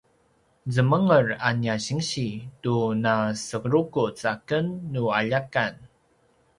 zemenger a nia sinsi tu naserukuz aken nu aljakan